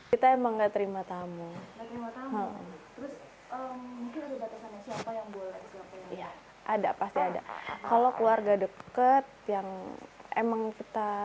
waktu itu pun kita jaga jarak